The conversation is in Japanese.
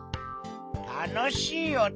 たのしいおと？